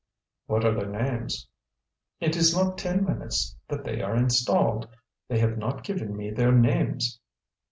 "What are their names?" "It is not ten minutes that they are installed. They have not given me their names."